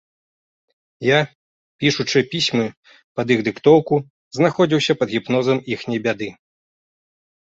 Я, пішучы пісьмы пад іх дыктоўку, знаходзіўся пад гіпнозам іхняй бяды.